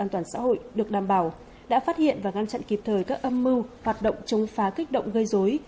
toàn xã hội được đảm bảo đã phát hiện và ngăn chặn kịp thời các âm mưu hoạt động chống phá kích động gây dối